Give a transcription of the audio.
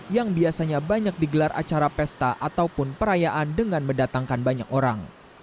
yang biasanya banyak digelar acara pesta ataupun perayaan dengan mendatangkan banyak orang